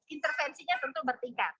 intervensinya tentu bertingkat